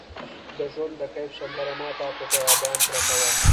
د ژوند د کیف سندره ماته په بیابان پرته وه